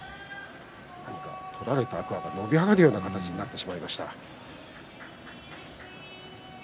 取られた天空海が伸び上がるような形になってしまいました。